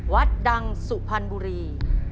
วัดดังสุพรรณบุรี